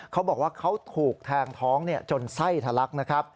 เขาบอกว่าเขาถูกแทงท้องจนไส้ทะลักนะครับ